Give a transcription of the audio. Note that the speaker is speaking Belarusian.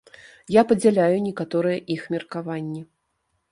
Я падзяляю некаторыя іх меркаванні.